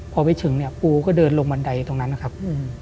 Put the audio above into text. พอไปถึงเนี่ยปูก็เดินลงบันไดตรงนั้นนะครับ